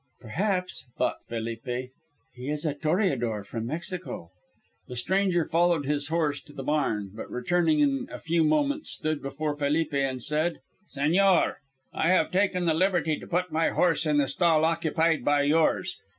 "Perhaps," thought Felipe, "he is a toreador from Mexico." The stranger followed his horse to the barn, but, returning in a few moments, stood before Felipe and said: "Señor, I have taken the liberty to put my horse in the stall occupied by yours.